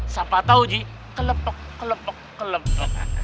siapa tau ji kelepek kelepek kelepek